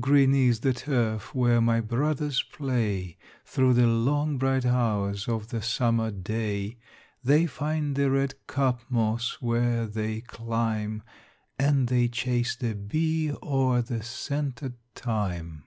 green is the turf where my brothers play Through the long, bright hours of the summer day; They find the red cup moss where they climb, And they chase the bee o'er the scented thyme."